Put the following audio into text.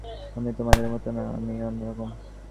আমি তোমাদের মতো না, আমি অন্য রকম।